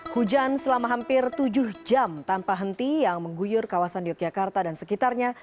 hujan selama hampir tujuh jam tanpa henti yang mengguyur kawasan yogyakarta dan sekitarnya